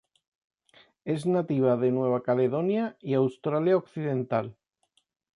Es nativa de Nueva Caledonia y Australia Occidental.